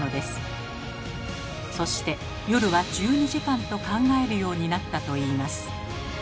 そして夜は１２時間と考えるようになったといいます。